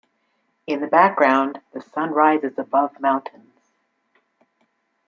In the background, the sun rises above mountains.